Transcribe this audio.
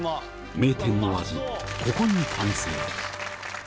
名店の味、ここに完成。